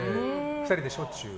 ２人でしょっちゅう。